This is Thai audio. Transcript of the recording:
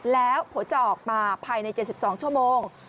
แล้วผลจะออกมาภายใน๗๒ชั่วโมง